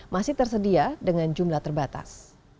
masih tersedia dengan jumlah terbatas